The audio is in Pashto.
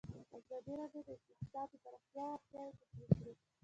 ازادي راډیو د اقتصاد د پراختیا اړتیاوې تشریح کړي.